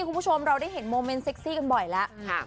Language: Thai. คุณผู้ชมพวกเราได้เห็นโมเมนไซขี้กันบ่อยแล้ว